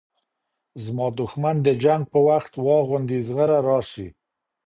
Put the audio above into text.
زما دښمن د جنګ په وخت واغوندي زغره راسي